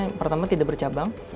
yang pertama tidak bercabang